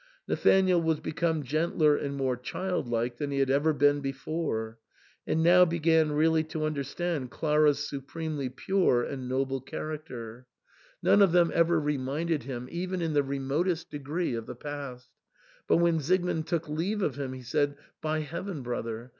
Nathanael was become gentler and more childlike than he had ever been before, and now began really to un derstand Clara's supremely pure and noble character. THE SAND MAN. 213 None of them ever reminded him, even in the remotest degree, of the past But when Siegmund took leave of him, he said, " By heaven, brother